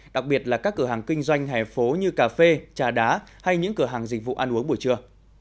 đặc biệt là các cửa hàng kinh doanh hẻ phố như cà phê trà đá hay những cửa hàng dịch vụ ăn uống buổi trưa